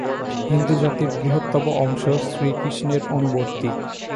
হিন্দুজাতির বৃহত্তম অংশ শ্রীকৃষ্ণের অনুবর্তী।